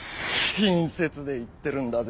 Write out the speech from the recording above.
親切で言ってるんだぜ。